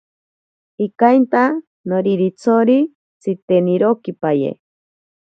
Ikainta noriritsori tsitenirokipaye.